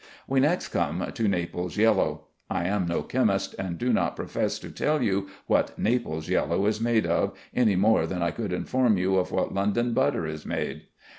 We next come to Naples yellow. I am no chemist, and do not profess to tell you what Naples yellow is made of, any more than I could inform you of what London butter is made.